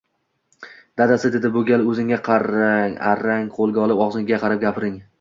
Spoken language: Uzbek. Dadasi, dedi bu gal o`zini arang qo`lga olib, og`zingizga qarab gapiring